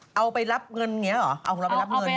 เอาของเราไปรับเงินอย่างนี้เหรอเอาไปรับเงินแทน